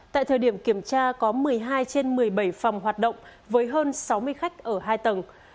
tại thời điểm kiểm tra có một mươi hai trên một mươi bảy phòng hoạt động với hơn sáu mươi khách ở hai tầng